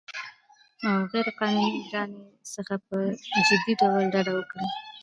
او غیرقانوني ګرانۍ څخه په جدي ډول ډډه وکړي